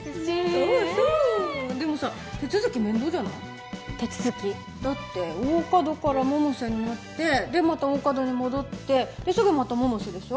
そうそうでもさ手続き面倒じゃない？手続き？だって大加戸から百瀬になってでまた大加戸に戻ってですぐまた百瀬でしょ